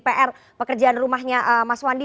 pr pekerjaan rumahnya mas wandi